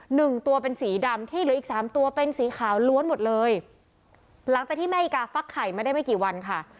หนึ่งตัวเป็นสีดำที่เหลืออีกสามตัวเป็นสีขาวล้วนหมดเลยหลังจากที่แม่อีกาฟักไข่มาได้ไม่กี่วันค่ะ